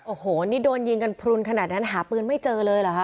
โอ้โหนี่โดนยิงกันพลุนขนาดนั้นหาปืนไม่เจอเลยเหรอคะ